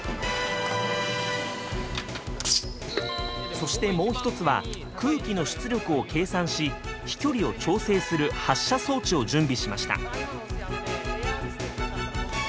そしてもう一つは空気の出力を計算し飛距離を調整する発射装置を準備しました。